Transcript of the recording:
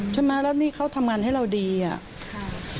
ทำไมแล้วนี่เขาทำงานให้เราดีอ่ะ